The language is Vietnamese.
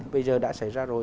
bây giờ đã xảy ra rồi